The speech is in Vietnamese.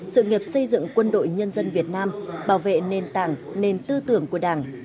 sự nghiệp xây dựng quân đội nhân dân việt nam bảo vệ nền tảng nền tư tưởng của đảng